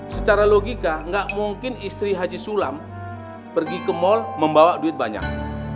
secara logika gak mungkin istri haji sulam pergi ke mal membawa duit banyak